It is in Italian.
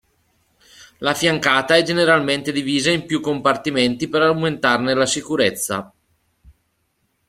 La fiancata è generalmente divisa in più compartimenti per aumentarne la sicurezza.